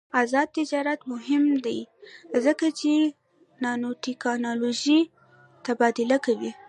آزاد تجارت مهم دی ځکه چې نانوټیکنالوژي تبادله کوي.